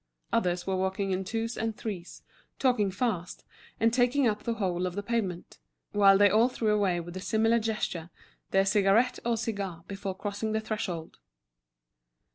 Others were walking in twos and threes, talking fast, and taking up the whole of the pavement; while they all threw away with a similar gesture, their cigarette or cigar before crossing the threshold.